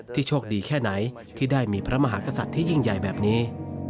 โชคดีแค่ไหนที่ได้มีพระมหากษัตริย์ที่ยิ่งใหญ่แบบนี้